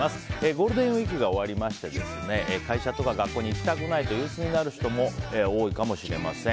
ゴールデンウィークが終わって会社や学校に行きたくないと憂鬱になる方も多いかもしれません。